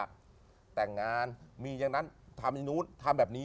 จัดแต่งงานแล้วทำแบบนี้